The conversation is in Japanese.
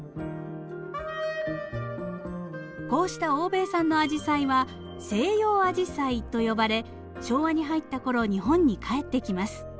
こうした欧米産のアジサイは「西洋アジサイ」と呼ばれ昭和に入った頃日本に帰ってきます。